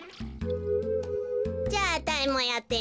じゃああたいもやってみよう。